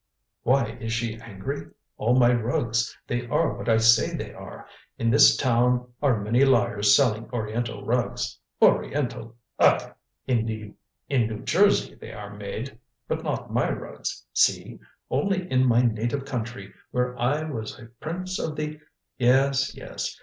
"Why is she angry? All my rugs they are what I say they are. In this town are many liars selling oriental rugs. Oriental! Ugh! In New Jersey they were made. But not my rugs. See! Only in my native country, where I was a prince of the " "Yes, yes.